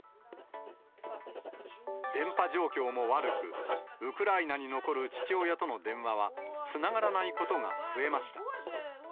電波状況も悪く、ウクライナに残る父親との電話はつながらないことが増えました。